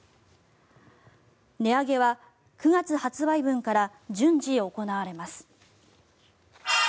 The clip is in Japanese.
値上げは９月発売分から順次、行われます。